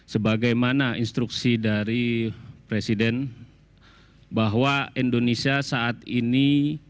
sebagai mana instruksi dari presiden bahwa indonesia saat ini